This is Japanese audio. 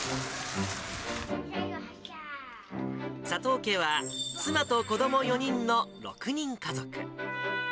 佐藤家は、妻と子ども４人の６人家族。